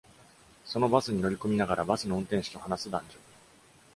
そのバスに乗り込みながらバスの運転手と話す男女。